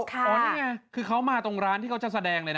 อันนี้ไงคือเขามาตรงร้านที่เขาจะแสดงเลยนะ